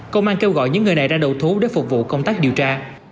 công an kêu gọi những người này ra đầu thú để phục vụ công tác điều tra